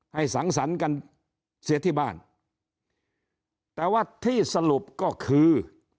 สังสรรค์กันเสียที่บ้านแต่ว่าที่สรุปก็คือ